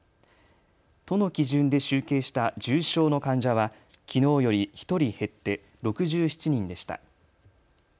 都の基準で集計した重症の患者はきのうより１人減って６７人でした。